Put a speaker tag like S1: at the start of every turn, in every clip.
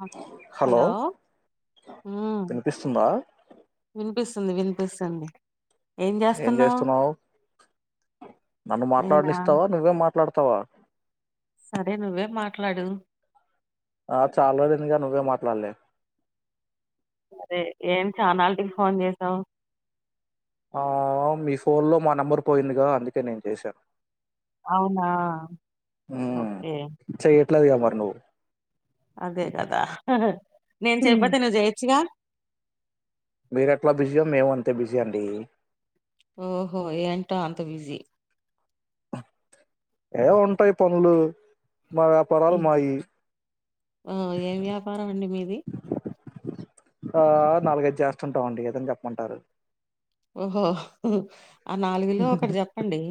S1: హ హలో ఊ విని
S2: వినిపిస్తుందా
S1: వినిపిస్తుంది వినిపిస్తుంది.
S2: ఏం చేస్తున్నావు. నన్ను
S1: నేనా
S2: మాట్లాడనిస్తావా నువ్వే మాట్లాడ తవా
S1: సరే నువ్వే మాట్లాడు.
S2: ఆ చాలా రోజులు అయింది గా నువ్వే మాట్లాడలే
S1: అరే ఏం చానాళ్టికి ఫోన్ చేసావు?
S2: ఆమ్ మీ ఫోన్లో మా నెంబర్ పోయిందిగా అందుకే నేను చేశాను.
S1: అవునా ఓకే
S2: అట్లాదిగా మరి నువ్
S1: అదే కదా హహ నేను
S2: ఉమ్,
S1: చెయపోతే నువ్వు చేయొచ్చుగా.
S2: మీరెట్లా బిజియో మేము అంతే బిజీ అండి.
S1: ఓహో ఏంటో అంత బిజీ
S2: ఏ ఉంటాయి పనులు మా వ్యాపారాలు
S1: ఏ
S2: మాయి
S1: ఉ ఏం వ్యాపారం అండి మీది?
S2: ఆ నాలుగైదు చేస్తుంటాం అండి ఏదని చెప్పమంటారు.
S1: ఓహో ఉహ్ ఆ నాలుగులో ఒకటి చెప్పండి.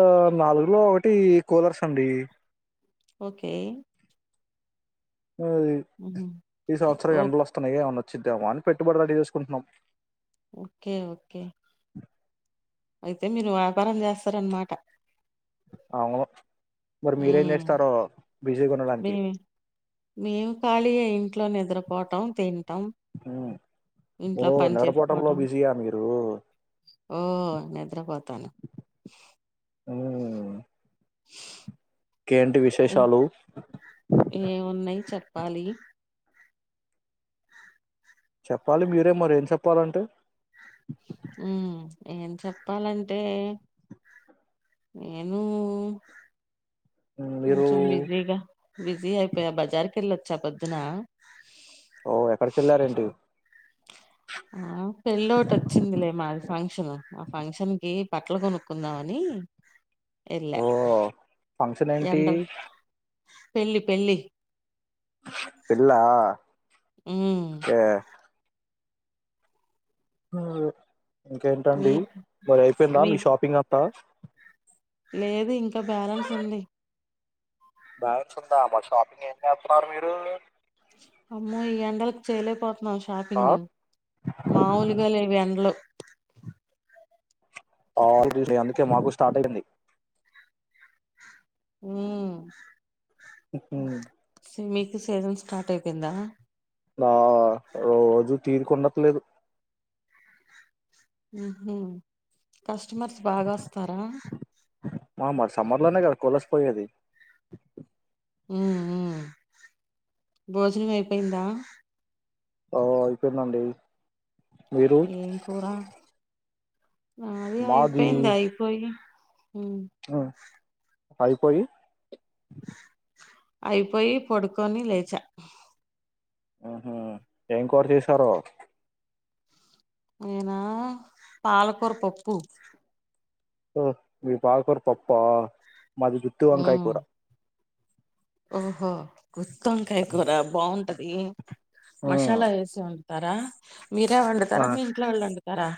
S2: ఓ నాలుగులో ఒకటి కూలర్స్ అండి.
S1: ఓకే
S2: ఓది
S1: ఉహు
S2: ఈ సంవత్సరం
S1: ఓ
S2: ఎండలు వస్తున్నాయి ఏఉన్న చుద్దామా అని పెట్టుబడి రెడీ చేసుకుంటున్నాం.
S1: ఓకే ఓకే అయితే మీరు వ్యాపారం చేస్తారన్నమాట.
S2: అవును మరి మీరేం చేస్తారో? బిజీగా ఉండడానికి
S1: మేమె మేము ఖాళీగా ఇంట్లో నిద్రపోటం తిం టం
S2: ఉమ్. ఓ
S1: ఇంట్లో పని
S2: నిద్రపోవటంలో
S1: చేసుకోవటం
S2: బిజీయా మీరు
S1: ఓ నిద్రపోతాను
S2: ఉమ్. ఇంకేంటి
S1: ఇం
S2: విశేషాలు
S1: ఖాళీ
S2: చెప్పాలి మీరే మరి ఏం చెప్పాలంటే
S1: ఉ ఏం చెప్పాలంటే నేను
S2: ఉమ్, మీరు
S1: కొంచెం బిజీగా బిజీ అయిపోయా బజార్ కె ళ్ళొచ్చ పొద్దునా
S2: ఓ ఎక్కడికి వెళ్ళారేంటి
S1: ఆ పెళ్ళోటి వచ్చిందిలే మాది ఫం ఫక్షన్ ఆ ఫంక్షన్ కి బట్లు కొనుక్కుందామని ఎళ్యా
S2: ఓ ఫంక్షన్ ఏంటి
S1: పెళ్లి పెళ్లి
S2: పెల్లా
S1: హ్మ్.
S2: యా ఆ ఇంకేంటండి
S1: మీకు
S2: మరి అయిపోయిందా మీ
S1: మీకు
S2: షాపింగ్ అంతా
S1: లేదు ఇంకా బ్యాలెన్స్ ఉంది
S2: బ్యాలెన్స్ ఉందా మరి షాపింగ్ ఏం చేస్తున్నారు మీరు
S1: అమ్మో ఈ ఎండలకు చేయలేక పో మా
S2: ఆ
S1: షాపింగు మాములుగా లేవు ఎండ్లు
S2: ఆ అందుకే మాకు స్టార్ట్ అయింది
S1: ఉ సెమి సీజన్ స్టార్ట్ అయిపోయిందా
S2: నా రోజు తీరికుండట్లేదు
S1: ఆహ కస్టమర్స్ బాగా వస్తారా
S2: ఆ మరి సమ్మర్ లోనే కదా కులర్స్ పోయేది
S1: ఉ ఉ భోజనం అయిపోయిందా
S2: ఓ అయిపోయింది అండి
S1: ఏం కూర మాది అయిపెంది అయిపోయి హ్మ్
S2: ఉ అయిపోయి
S1: అయిపోయి పొడుకొని లేచ.
S2: ఆహా ఏం కూర చేసారో
S1: నేనా పాలకూర పప్పు
S2: హ్మ్ మీది పాలకూర పప్పా మాది గుత్తివంకాయ
S1: ఉమ్
S2: కూర
S1: ఓహో గుత్తొంకాయ కూర బాగుంటదీ.
S2: ఉ
S1: మసాలా వేసి వండు తరా మీరే వండుతార
S2: ఆ
S1: మీ ఇంట్లో వాళ్ళొండు తరా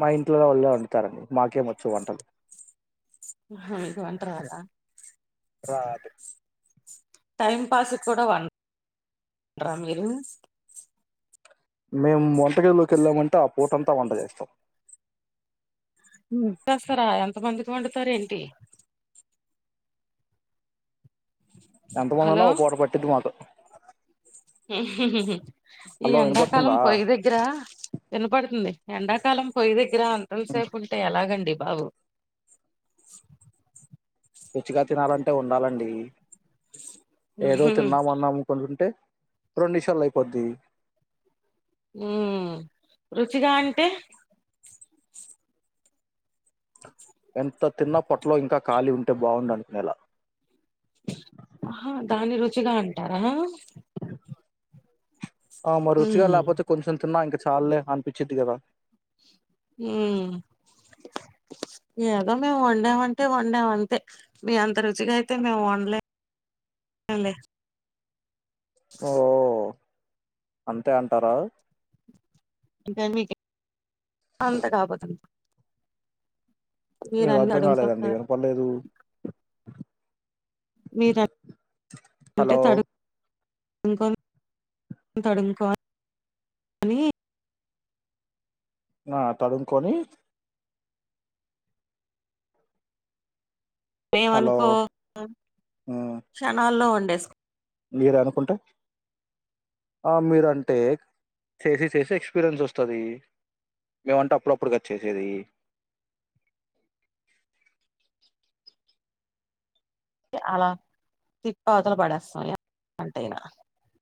S2: మా ఇంట్లో వాళ్ళే వండుతరండి మాకేం వచ్చు వంటలు.
S1: మీకు వంటరాద
S2: రాదు
S1: టైమ్ పాస్ కూడా వం డ్రా మీరు
S2: మేమ్ వంటగదిలోకి ఎళ్ళామంటే ఆ పూట అంతా వంట చేస్తాం.
S1: చేస్తారా ఎంతమందికివండుతారు ఏంటి.
S2: ఎంతమంది
S1: హలో
S2: ఉన్నా ఒక పూట పట్టిద్ది మాకు.
S1: హ ఈ
S2: హలో
S1: ఎండాకాలం
S2: వినపడుతుందా
S1: పొయ్యి దగ్గర వినపడుతుంది. ఎండకాలం పోయిదె గ్గర అంతంత సేపు ఉంటే ఎలాగండి. బాబు
S2: రుచిగా తినాలంటే ఉండాలండి ఏదో తిన్నాం ఉన్నాం ఒకలుంటే. రెండ్ నిషాల్లో అయిపొందీ.
S1: ఉమ్మ్ రుచిగా అంటే
S2: ఎంత తిన్న పొట్లో ఇంకా ఖాలీ ఉంటే బావుండనుకునెల.
S1: చ్చిగా అంటారా
S2: [inaudible] ఆమ రుచిగా
S1: ఉమ్
S2: లేపోతే కొంచెం తిన్నా ఇంక. చాల్లే అనిపించిద్ది కదా
S1: హ్మ్ ఏదో మేమ్ వండామంటే వండామంతే మీ అంత రుచిగా అయితే మేమ్ వండలేమ్ లే.
S2: ఓ అంతే అంటారా
S1: ఇంక మీకే అంత కాపోతన్
S2: ఏమ్ అర్ధం కాలేదండి
S1: తడుముకుంటారు
S2: వినపడలేదు
S1: మీర అంటే
S2: హలో
S1: [unintelligible] డుకో [unintelligible] అని
S2: ఆ తరుముకొని హలో
S1: మేమనుకో క్షణాల్లో ఉ [unintelligible]
S2: మీరే అనుకుంటే మీరంటే చేసి చేసి ఎక్స్పీరియన్స్ వస్తుంది మేమంటే అప్పుడప్పుడుగా చేసేది
S1: అలా తిప్పి అవతల పడేస్తాం [unintelligible]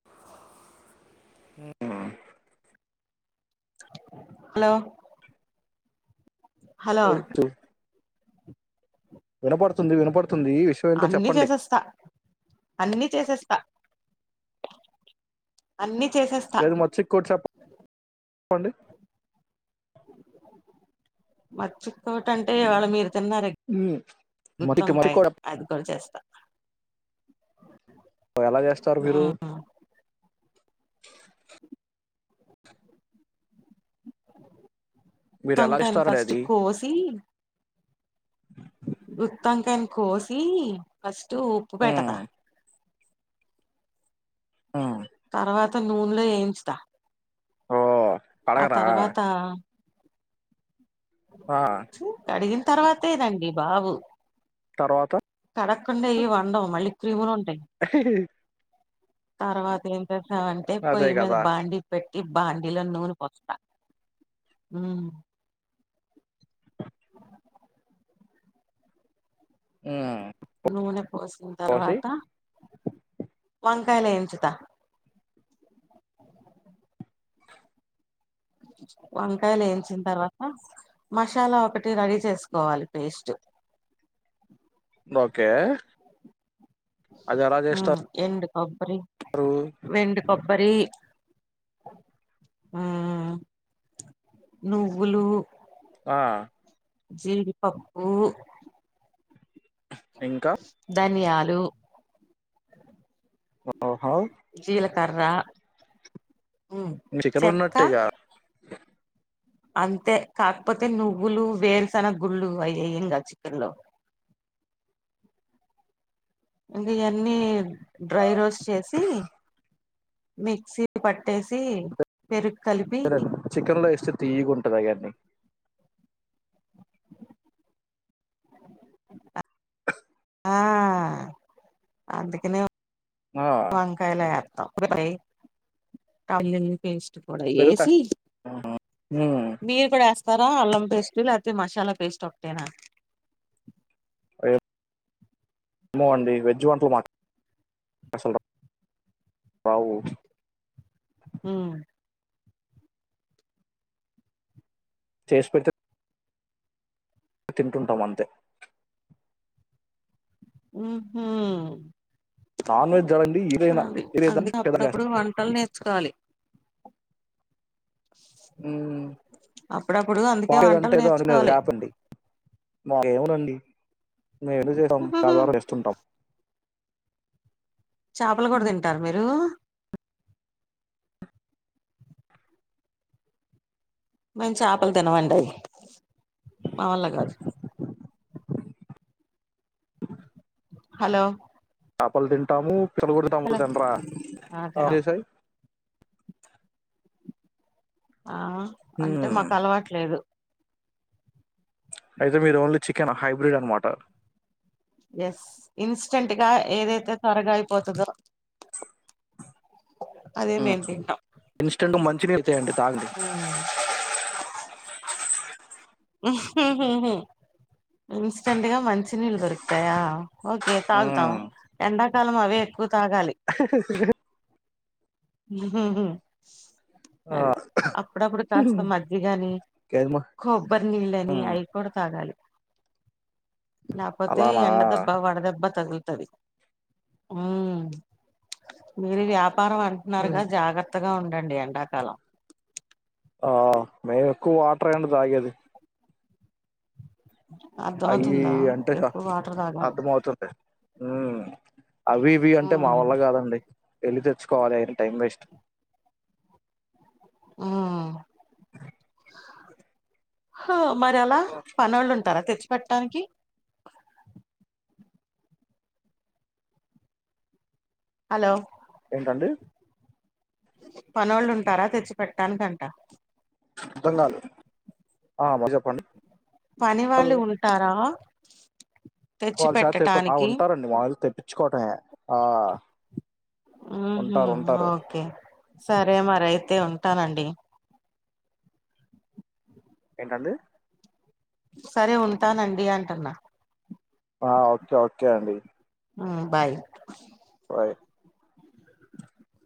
S2: హ [unintelligible]
S1: హలో హలో
S2: [unintelligible] వినపడుతుంది వినపడుతుంది విషయం ఏంటో
S1: అన్ని
S2: చెప్పండి
S1: చేసేస్తా అన్ని చేసేస్తా అన్ని చేసేస్తా
S2: లేదు మచ్చి కు చాప్ పోండి
S1: మచ్చి కోటింటే ఇవాళ మీరు తిన్నార
S2: మ్ మటికి
S1: గుత్తంకాయ
S2: మటికోడి
S1: అది కూడా చేస్తా
S2: ఎలా చేస్తారు మీరు? మీరు
S1: తొంకయిని ఫస్ట్ కోసి
S2: హ్
S1: గుత్తంకాయని కోసి ఫస్ తూ ఉప్పు పెడతా
S2: మ్ మ్మ్
S1: తర్వాత నూనెలో ఏంచుత
S2: ఆ
S1: ఆ తర్వాత
S2: ఆ
S1: చు కడిగిన్ తర్వాతదండి బాబు
S2: తర్వాత
S1: కడకుండ ఈ వండం మళ్లి క్రీమలు ఉం
S2: హి హి
S1: తర్వాతేమ్మ్ సాంటే
S2: అదే
S1: పొయ్యి మీద
S2: కదా
S1: బాండి పెట్ట ఇబ్ బాండీలో నూనె పోస్తా అ
S2: మ్మ్
S1: నూనె పోసిన తర్వాత వంకాయలు ఏంచుత వంకాయలు వేయించిన తర్వాత మసాలా ఒకటి రెడీ చేసుకోవాలి పేస్ట్
S2: ఓకే అది ఎలా
S1: ఉమ్
S2: చేస్తారు
S1: ఎండ్ అబ్ బరి వెండు కొబ్బరి మ్మ్ నువ్వులు
S2: ఆ
S1: జీడిపప్పు
S2: ఇంకా
S1: దన్యా లు
S2: ఓహా
S1: కర్ర
S2: చికెన్ ఉన్నట్టేగా
S1: అంతే కాకపోతే నువ్వులు వేరుసెనగ గుళ్ళు అవియింంగా చికెన్ లో ఇంకా ఎన్ని
S2: ఆ,
S1: డ్రై రోస్ట్ చేసి మిక్సీ పట్టేసి పెరూ
S2: సరే చికెన్లో ఎస్ తీయగుంటదా గన్ని
S1: ఆ అందుకనే
S2: ఆ
S1: వంకల కా పేస్ [unintelligible] [inaudible] వడ
S2: పెరుగు
S1: ఏసీ
S2: కాస్త ఉమ్
S1: మీరు కూడా తర అల్లం పేస్ట్ ఇ లే అతితే మసాలా పేస్ట్ ఒకటేనా
S2: ఏమో అండి వెజ్జ్ వంటలు మాకు అసలు రావు
S1: ఉమ్
S2: చేసి పెడితే తింటుంటాం అంతే
S1: ఉహు
S2: నాన్ వెజ్ అండి ఏదైనా
S1: అది
S2: ఏదైనా స్పెషల్
S1: అందుకప్పుడప్పుడు
S2: చేస్తాం
S1: వంటలు నేర్చుకోవాలి
S2: ఉమ్
S1: అప్పుడప్పుడు అందుకే వంటలు
S2: దంటే ఏదో అని
S1: నేర్చుకోవాలి
S2: చేపండి మా అండి మేము ఎందు చేసాం తాద్వర చేస్తుంటాం
S1: చాపలు కూడా తింటారు మీరు మేము చేపలు తినమండి మావల్లా కాదు హలో
S2: చాపల్ తిను కుట్టాము
S1: హలో
S2: పిల్లగొడతాముటండరా
S1: ఆ తినం
S2: చేసాయి
S1: ఆ అంటే
S2: హ్మ్
S1: మాకు అలవాట్లేదు
S2: అయితే మీరు ఓన్లీ చికెన్ హైబ్రిడ్ అనమాటా
S1: ఎస్ ఇన్స్టంట్ గా ఏదైతే త్వరగా అయిపోతదో అదే
S2: ఉ
S1: మేము తింటాం
S2: ఇన్స్టెంట్ మంచినీరు తాయండి తాగుది
S1: ఉమ్. ఇన్స్టెంట్ గా మంచి తి నీళ్లు దొరుకుతాయా ఓకే తాగుతాం
S2: హ్మ్
S1: ఎండా కాలము అవే ఎక్కువ
S2: ఆ
S1: హై అది అప్పుడప్పుడు కాస్త మజ్జిగని,
S2: కేజమా
S1: కొ బర్ నళ్లని
S2: హ్మ్
S1: అయి కూడా తాగాలి నాపోతే
S2: అలానా
S1: ఎండదెబ్బ, వడదబ్బ తగ్గుతది ఉమ్ మీర్ యాప్ పారం అంటున్నారు
S2: హ్మ్.
S1: గాని జాగ్రత్తగా ఉ టండి ఎండాకాలం
S2: ఆ మెయిన్ ఎక్కువ వాటర్ ఏండి తాగేది అవి
S1: అర్థమవుతుందా
S2: అంటే
S1: ఎక్కువ వాటర్ తాగాలి
S2: అర్ధం అవుతుంది అవి ఇవి అంటే మా
S1: ఉమ్
S2: వల్ల కాదండి వెళ్ళి తెచ్చుకోవాలి అ టైం వేస్ట్
S1: ఆ మరి అలా పనొళ్ళు ఉంటారా తెచ్ పెట్టానికి హలో
S2: ఏంటండీ
S1: పనోళ్ళు ఉంటారా తెచ్చి పెట్టానికి అంట
S2: అర్థం కాలే హ మాజెప్పండి
S1: పని వాళ్ళు ఉంటారా తెచ్చి
S2: వాళ్ళే శాతం ఎ
S1: పెట్టటానికి
S2: ఉంటారండి వాళ్ళు తెప్పించుకోవటమే ఆ ఉంటారు
S1: ఊహ్మ్మ్
S2: ఉంటారు
S1: ఓకే సరే మరి అయితే ఉంట టనండి
S2: ఏంటండీ
S1: సరే ఉంటానండి అంటన్నా
S2: ఆ ఓకే ఓకే అండి
S1: హ్మ్ బాయ్
S2: బాయ్